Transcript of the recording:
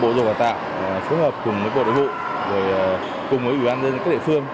bộ giáo dục và đào tạo phối hợp cùng bộ đội hữu cùng bộ ủy ban dân các địa phương